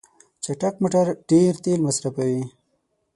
چټک موټر ډیر تېل مصرفوي.